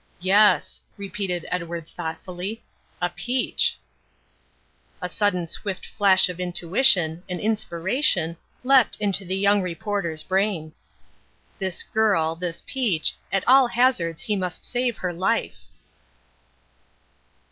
"Yes," repeated Edwards thoughtfully, "a peach." A sudden swift flash of intuition, an inspiration, leapt into the young reporter's brain. This girl, this peach, at all hazards he must save her life.